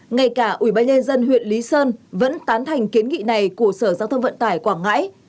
ngay cả ủy ban nhân dân huyện lý sơn vẫn tán thành kiến nghị này của sở giao thông vận tải quảng ngãi